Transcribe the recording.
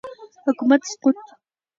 حکومت سقوط